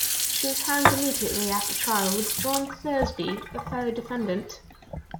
She was hanged immediately after trial with John Thursby, a fellow defendant.